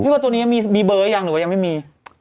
พี่ว่าตัวนี้มีเบอร์หรือยังหรือว่ายังไม่มี